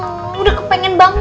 ayo atu kang udah kepengen banget